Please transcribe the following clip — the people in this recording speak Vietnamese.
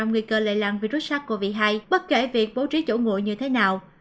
nguy cơ lây lan virus sars cov hai bất kể việc bố trí chỗ ngồi như thế nào